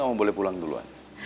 kamu boleh pulang duluan